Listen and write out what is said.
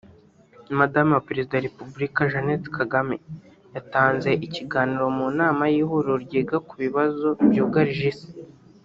Madame wa Perezida wa Republika Jeannette Kagame yatanze ikiganiro mu nama y’ihuriro ryiga ku bibazo byugarije isi